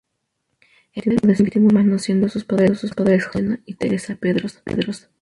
Era el penúltimo de seis hermanos, siendo sus padres Josef Lucena y Teresa Pedrosa.